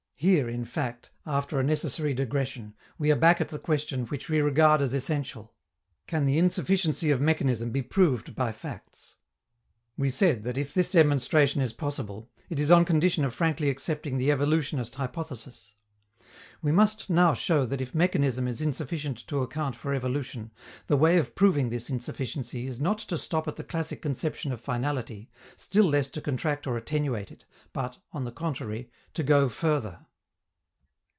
Here, in fact, after a necessary digression, we are back at the question which we regard as essential: can the insufficiency of mechanism be proved by facts? We said that if this demonstration is possible, it is on condition of frankly accepting the evolutionist hypothesis. We must now show that if mechanism is insufficient to account for evolution, the way of proving this insufficiency is not to stop at the classic conception of finality, still less to contract or attenuate it, but, on the contrary, to go further.